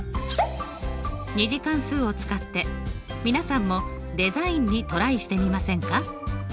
２次関数を使って皆さんもデザインにトライしてみませんか？